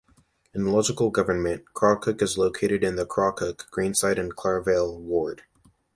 In local government, Crawcrook is located in the 'Crawcrook, Greenside and Clara Vale ward'.